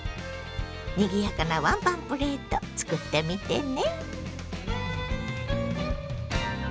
にぎやかなワンパンプレート作ってみてね。